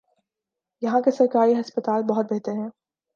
یہاں کے سرکاری ہسپتال بہت بہتر ہیں۔